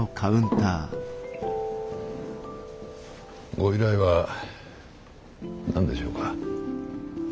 ご依頼は何でしょうか？